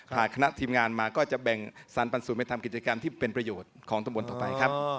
หากคณะทีมงานมาก็จะแบ่งสรรปันส่วนไปทำกิจกรรมที่เป็นประโยชน์ของตำบลต่อไปครับ